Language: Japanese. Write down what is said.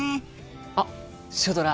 あっシュドラ